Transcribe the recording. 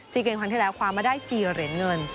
สีเกรงควันที่แล้วคว้ามาได้๔เหรียญเงิน